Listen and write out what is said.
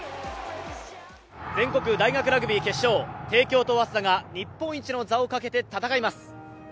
全国大学ラグビー決勝、帝京と早稲田が日本一の座をかけて戦います。